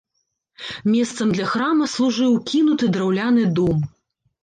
Месцам для храма служыў кінуты драўляны дом.